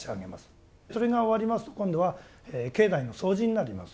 それが終わりますと今度は境内の掃除になります。